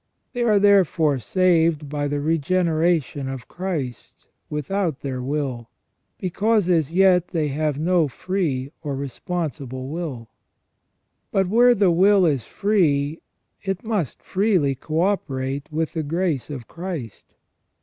They are therefore saved by the regeneration of Christ, without their will, because as yet they have no free or responsible will. But where the will is free it must freely co operate with the grace of Christ.